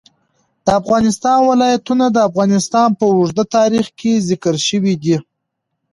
د افغانستان ولايتونه د افغانستان په اوږده تاریخ کې ذکر شوی دی.